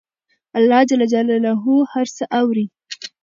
الله ج هر څه اوري